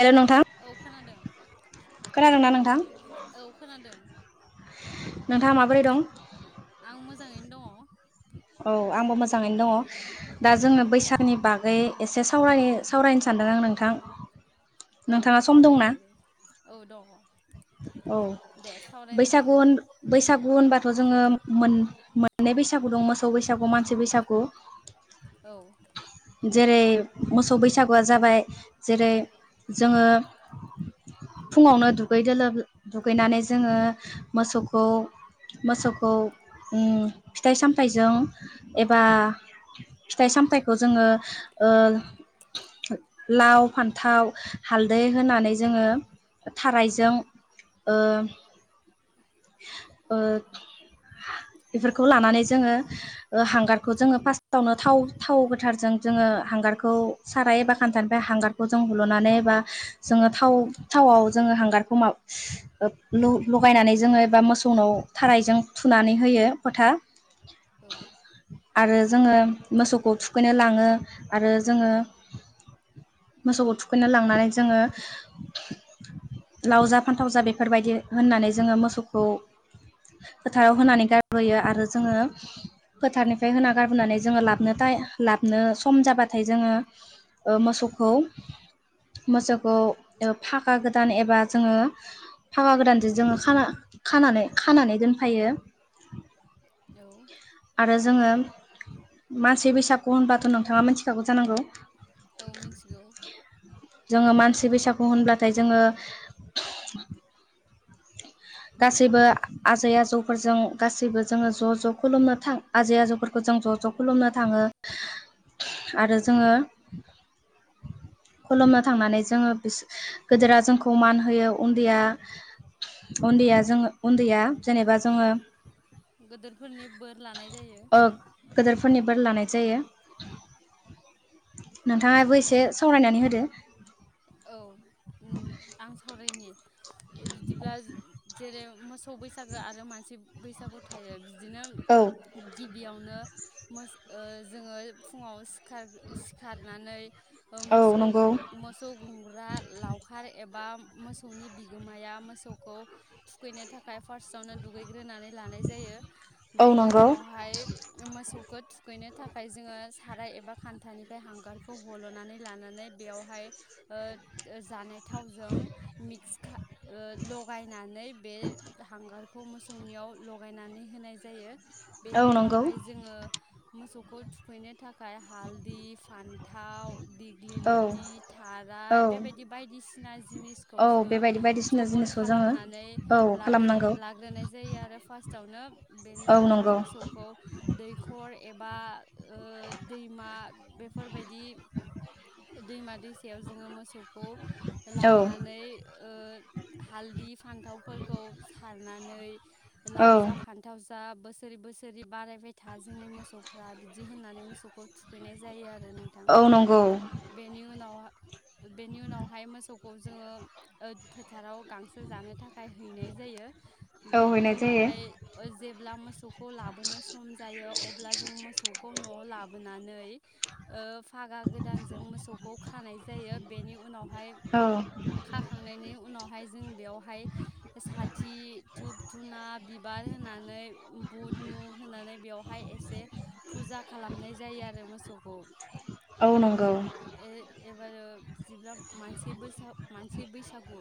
Hello औ खोनादों खोनादोना नोंथां औ खोनादों नोंथाङा माबोरै दं आं मोजाङैनो दङ औ आंबो मोजाङैनो दङ दा जोंङो बैसागुनि बागै एसे साव सावरायनो सानदों आं नोंथां औ नोंथाङा सम दंना सावरायजायो औ दङ औ दे सावरायनो बैसागु हायो बैसागु होनबाथ' जोङो मोन मोननै बैसागु दं मोसौ बैसागु मानसि बैसागु औ जेरै मोसौ बैसागुआ जाबाय जेरै जोङो फुङावनो दुगै दोब दुगैनानै जोङो मोसौखौ मोसौखौ उम फिथाइ सामथायाइजों एबा फिथाइ सामथायखौ जोङो ओ लाव फान्थाव हालदै होनानै जोङो थाराय जों ओ ओ बेफोरखौ लानानै जोङो ओ हांगारखौ लानानै जोंङो फास्तावनो थाव थाव गोथारजों जोङो हांगारखौ साराय एबा खानथानिफ्राय हांगारखौ हलनानै एबा जोंङो थाव-थावाव जोंङो हांगारखौ [unintelligible] ल-लगायनानै जोङो एबा मोसौनाव थारायजों थुनानै होयो फोथा औ आरो जोङो मोसौखौ थुखैनो ला [unintelligible] आरो जोङो मोसौखौ थुखैनो लांनानै जोङो लाव जा फानथाव जा बेफोरबायदि होननानै जोङो मोसौखौ फोथाराव होनानै गारबोयो आरो जोङो फोथारनिफ्राय होना गारबोनानै जोङो लाबनो ताइम लाबनो सम जाबाथाय जोङो मोसौखौ मोसौखौ ओ फागा गोदान एबा जोङो फावा गोदानजों जोङो खाना खानानै खानानै दोनफायो औ आरो जोङो मानसि बैसागो होनबाथ' नोंथाङा मिनथिखागौ जानांगौ औ मिनथिगौ जोङो मानसि बैसागु होनब्लाथाय जोङो [unintelligible] गासैबो आजै आजौफोरजों गासैबो जोङो ज' ज' खुलुमनो थां आजै आजौफोरखौ जों ज' ज' खुलुमनो थाङो आरो जोङो खुलुमनो थांनानै जोङो गेदेरा जोंखौ मान होयो उन्दैया उन्दैया जोङो उन्दैया जेनेबा जोङो गोदोर फोरनि बोर लानाय जायो ओ गोदोरफोरनि बोर लानाय जायो नोंथाङाबो एसे सावरायनानै होदो औ आं सावरायनि बिदिब्ला [unintelligible] मोस बैसागो आरो मानसि बैसागु थायो बिदिनो औ गिबियावनो मोस ओ जोङो फुङाव सिखार सिखारनानै ओ औ मोसौ नंगौ गुम सौ गुमग्रा लावखार एबा मोसौनि बिगोमाया मोसौखौ थुखैनो थाखाय फार्स्टआवनो दुगैग्रोनानै लानाय जायो औ बेनि नंगौ उनावहाय मोसौखौ थुखैनो थाखाय जोङो साराय एबा खान्थानिफ्राय हांगारखौ हल'नानै लानानै बेयावहाय ओथ ओ जानाय थावजों मिक्स खा ओ लगायनानै बे हांगार खौ मोसौनियाव लगायनानै होनाय जायो। औ बेनि नंगौ उनावहाय जोङो मोसौ खौ थुखैनो थाखाय हालदि फान्थाव औ दिग्लिलिटि औ थाराय बेबायदि बायदिसिना जिनिसखौ औ जोङो बेबायदि बायदिसिना जगर जिनिसखौ जोङो खालामनानै औ लागिर खालामनांगौ लाग्रोनाय जायो आरो फार्स्टआवनो बेनि औ उनावहाय नंगौ मोसौखौ दैखर एबा ओ दैमा बेफोरबायदि दैमा याव जोङो मोसौ खौ औ लांनानै ओ हालदि फान्थावफोरखौ सारनानै औ लाव जा फान्थाव जा बोसोरि बोसोरि बारायबाय था जोंनि मोसौफ्रा बिदि होननानै मोसौखौ थुखैनाय जायो आरो आरो नोंथां ओ औ नंगौ बेनि उनाव बेनि उनावहाय मोसौ खौ जोङो ओ फोथाराव गांसो जानो थाखाय हैनाय जायो औ बेनि हैनाय जायो उनावहाय ओ जेब्ला मोसौखौ लाबोनो सम जायो अब्ला जों मोसौखौ न'आव लाब बोनानै ओ फागा गोदानजों मोसौखौ खानाय जा जायो बेनि उनाव हाय औ खाखांनायनि उनावहाय जों बेयावहाय साथि धुब धुना बिबार होनानै बुद मु होनानै बेयाव बेहाय एसे फुजा खालामनाय जायो आरो मोसौखौ उ औ नंगौ एबारो बिदिब्ला मानसि बैसागु मानसि बैसागु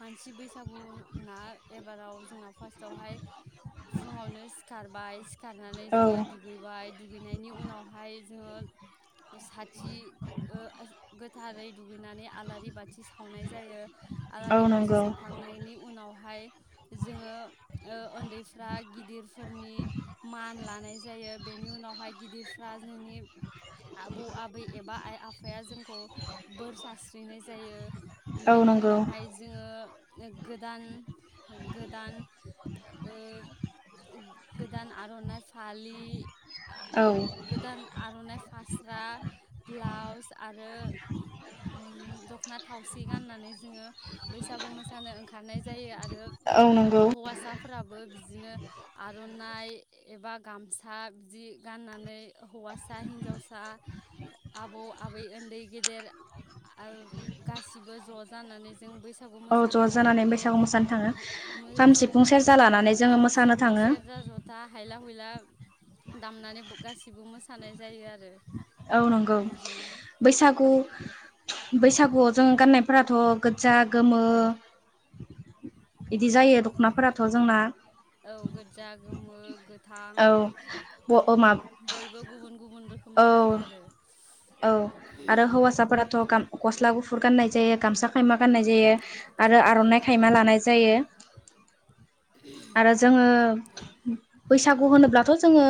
मानसि बैसागु ना एबाराव जोंना फास्टवहाय फुङावनो सिखार बाइस गारनानै औ जोङो दुगैबाय दुगैनायनि उनावहाय जोङो साथिं ओ गोथारै दुगैनानै आलारि बाथि सावनाय जायो औ आलारि बाथि नंगौ सावखांनायनि उनाव बेहाय जोङो ओ उन्दैफ्रा गिदिरफोरनि मान लानाय जायो बेनि उनावहाय गिदिरफ्रा जोंनि आबौ आबै एबा आइ आफाया जों खौ बोर सारस्रिनाय जायो औ बेनि नंगौ उनावहाय जोङो गोदान गोदान ओ गोदान आर'नाइ फालि औ गोदान आर'नाइ फास्रा ब्लाउस आरो ओ ओम दख'ना थावसि गाननानै जोङो बैसागु मोसानो ओंखारनाय जायो आरो औ नंगौ आरो हौवासाफोराबो बि बिदिनो आर'नाइ एबा गामसा बिदि गाननानै हौवासा हिनजावसा आबौ आब बै उन्दै गेदेर गासिबो ज' जानानै जों बैसाग बैसागु औ ज' मोसानो जानानै थांनायखौ बैसागु मोसानो थाङो खाम बैसागु सिफुं मोसानो सेरजा थाङो लानानै जोङो खाम मोसानो सिफुं थाङो सेरजा जथा हायलाम खयला दामनानै गासिबो मोसानाय जायो आरो औ नंगौ बिदिनो बैसागु बैसागुआव जों गाननायफोराथ' गोजा गोमो बिदि जायो दख'नाफोराथ' जोंना औ गोजा गोमो गोथां औ मा बयबो गुबुन गुबुन औ रोखोमनि गानो आरो औ आरो हौवासाफोराथ' गाम गस्ला गुफुर गाननाय जायो गामसा खायमा फाननाय जायो आरो औ आर'नाइ खायमा थारैनो लानाय जायो आरो जोङो बैसागु होनोब्लाथ' जोङो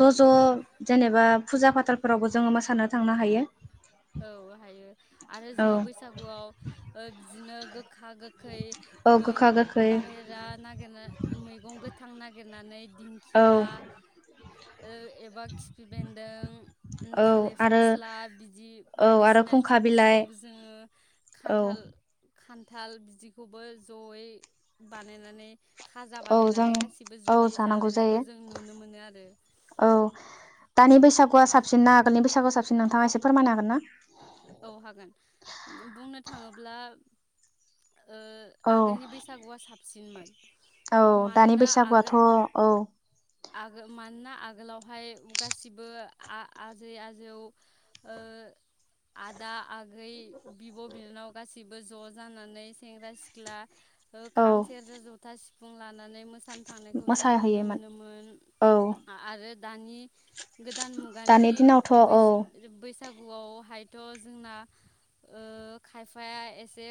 ज' ज' जेनेबा फुजा फाथालफोरावबो जोङो मोसानो थांनो हायो औ हायो आरो औ जोङो बैसागुआव ओ बिदिनो खा गोखै औ ओ गोखा गोखै बाहेरा नागिरनाय मैगं गो थां नागिरनानै औ दिंखिया ओ एबा खिफि बेनदों उम औ थालिर आरो फस्ला बिदि औ आरो बायदिसिना खुंखा जिनिसखौ बिलाइ जोङो औ खान्थाल खान्थाल बिदिखौबो जयै बानायनानै खाजा औ जों बानायनानै गासिबो औ जयै जानांगौ जालायनायखौ जायो जों नुनो मोनो आरो गु आं साबसिनना आगोलनि बैसागुआ साबसिन नोंथाङा इसे फोरमायनो हागोन ना? औ हागोन बुंनो थाङोब्ला ओ औ आगोलनि बैसागुआ साब सिनमोन औ दानि बैसागुआथ' औ आगोल मानोना आगोलावहाय गासिबो आ-आ आजै आजौ ओ आदा आगै बिब' बिनानाव गासैबो ज' जानानै सेंग्रा सिख्ला ओ औ खाम सेरजा जथा सि बुंला नानै मोसानो थांनायखौ जों नुनो मोसाहैयोमोन मोनोमोन औ आरो दानि गोदान मुगानि दानि दिनावथ' औ बैस-बैस गुआव हाइ थ' जोंना ओ खायफाया एसे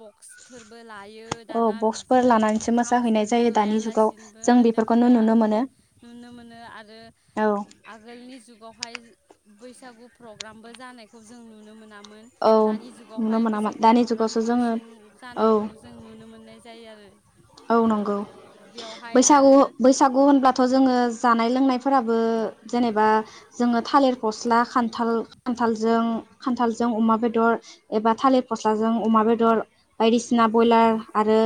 बक्सफोरबो लायो औ दाना बक्सफोर बिदिनो लानानैसो खाम मोसाहैनाय सेरजा जायो दानि जुगाव लायालासिनोबो जों बेफोरखौनो उन्दैफोरा नुनो मोनो नुनो मोनो आरो औ आगोलनि जु बावहाय बैसागु प्रग्रामबो जानायख जों नुनो मोना मोन औ दानि नुनो जुगावहाय मोनामोन बैसागु दानि प्रग्राम जुगावसो जोङो फांसन औ जानायखौ जों नुनो मोननाय जायो आरो औ नंगौ बेयावहाय बैसागु आरो बैसागु होनब्लाथ' जोङो जानाय लोंनायफोराबो जेनेबा जोङो थालिर फस्ला खान्थाल खान्थालजों खान्थालजों अमा बेदर एबा थालिर फस्लाजों अमा बेदर बायदिसिना बयलार आरो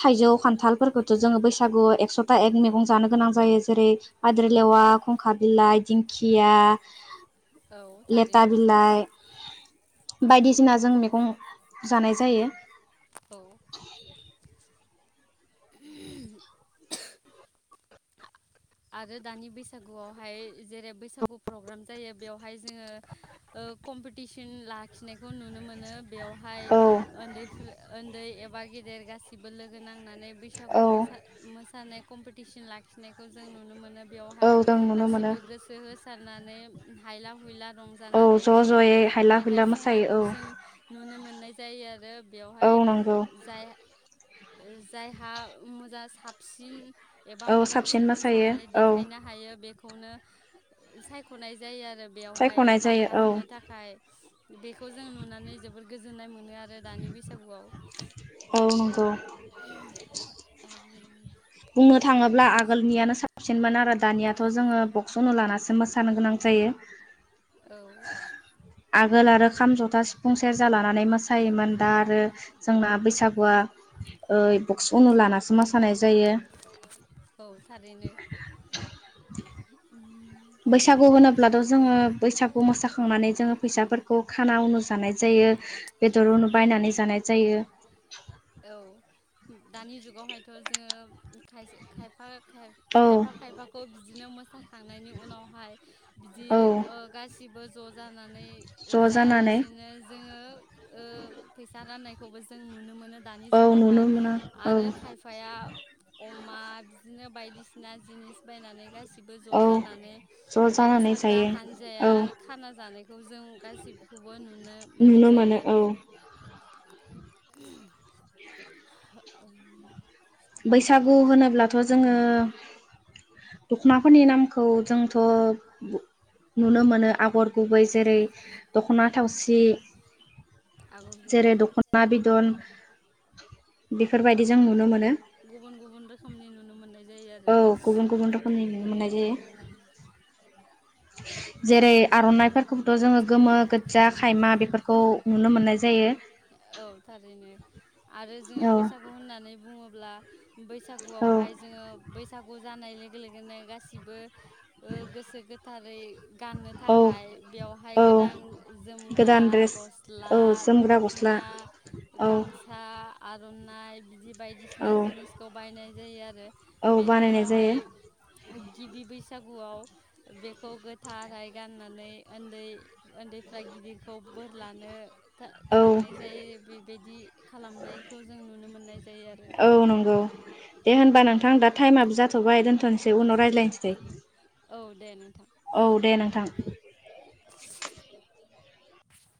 थाइजौ खान्थालफोरखोथ' जोङो बैसागुआव एकस'था एक मैगं जानो गोनां जायो जेरै पाद्रिलेवा खंखा बिलाइ दिंखिया औ लेथा थारैनो बिलाइ बायदिसिना जों मेगं जानाय जायो औ आरो दानि बैसागुआवहाय जेरै बैसागु प्रग्राम जायो बेयाव फाय जोङो ओ कम्पिटिस तिन लाख खिनायखौ नुनो मोनो बेयावहाय औ उन्दैफो उन्दै एबा गेदेर गासैबो लोगो नांनानै बैसागु औ मोसानाय कम्पिटिसन लाखिनायखौ जों नुनो मोनो औ बेयावहाय जों नुनो मोनो गासिबो गोसो होसारनानै हाइला हुयला औ रंजानानै ज' ज'यै हायला देखाय हुइला फु -फुंनायखौ मोसायो जों औ नुनो मोननाय जाय जाय आरो बेवहाय औ नंगौ जाय जायहा मोजा साबसिन एबा औ साबसिन मोजांसिन मो मोसायो थानानै औ देखायनो हायो बे खौनो सायख'नाय जायो आरो आरो बेयावहाय सायख'नाय जायो बान्था औ होनो थाखाय बेखौ जों नुनानै जोबोद गोजोननाय मोनो आरो दानि बैस जबआव औ नंगौ बुंनो थाङोब्ला आगोलनियानो साबसिनमोन आरो दानियाथ' जोङो बक्स अनु लानासो मोसानो गोनां जायो आगोल आरो खाम जथा सिफ फुं सेरजा लानानै मोसायोमोन दा आरो जोंना बैसागुआ ओ बक्स उनु लानानैसो मोसानाय जायो औ थारैनो उम बैसागु होनोब्लाथ' जोङो बैसागु मोसाखांनानै जोङो फैसाफोरखौ खाना उनु जानाय जायो बेदर उनु बायनानै जानाय जायो औ दानि जुगावहायथ' जोङो खायसे खायफा औ खायफा खायफाखौ बिदिनो मोसाखांनायनि उनावहाय बिदि औ ओ गासिबो ज' जानानै ज' जानानै जायालासिनो जोङो ओ फैसा राननाय खौबो जों नुनो मोनो दानि औ नुनो जुगावहाय मोनो औ आरो खायफाया अमा बिदिनो बायदिसिना जिनिस बायनानै गासिबो बो ज' औ जानानै ज' जानानै मोसाग्राः जायो औ हानजाया खाना जानाय जों गासिखौ नुनो मोननाय नुनो जायो मोनो औ आरो [inaudible] बैसागु होनोब्लाथ' जोङो दखनाफोरनि नामखौ जोंथ' नुनो मोनो आगर गुबै जेरै दख'ना थावसि आगर जेरै गुबै दख'ना बिदन बेफोरबायदि जों नुनो मोनो गुबुन गुबुन रोखोमनि नुनो मोननाय जायो औ आरो। गुबुन गुबुन रोखोमनि नुनो मोननाय जा बे जेरै आर'नाइफोरखौबोथ' जोङो गोमो गोजा खायमा बेफोरखौ नुनो मोननाय जायो औ थारैनो आरो जोङो औ बैसागु होननानै बुङोब्ला औ बैसागुआवहाय जोङो बैसागु जानाय लोगो लोगोनो गासिबो ओ गोसो गोथारै गाननो औ थाखाय बेवहाय औ गोदान जोमग्रा गोदान द्रेस गस्ला औ जोमग्रा गस्ला दख'ना औ गामसा आर'नाइ बिदि औ बायदिसिना जिनिसखौ बायनाय जायो आरो औ बेनि बानायनाय उनावहाय जायो गिबि बै बैसागुआव बेखौ थाराय गाननानै उन्दै उन्दैफ्रा गिदिरखौ बोर लानो दा औ थांनाय जायो बेबायदि खालामनायखौ जों नुनो मोननाय जायो आरो औ [inaudible] दे होनबा नोंथां दा टाइमाब जाथ'बाय दोन्थ'नोसै उनाव रायज्लायनोसै औ दे नोंथां औ दे नोंथां दे